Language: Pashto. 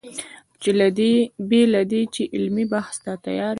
بې له دې چې علمي بحث ته تیار وي.